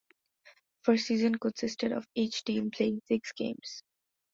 The first season consisted of each team playing six games.